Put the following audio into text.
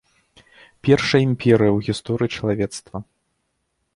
Першая імперыя ў гісторыі чалавецтва.